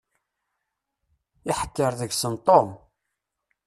Iḥekker deg-sen Tom.